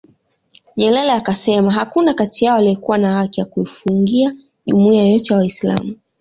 Nyerere akasema hakuna kati yao aliyekuwa na haki ya kuifungia jumuiya yoyote ya Waislam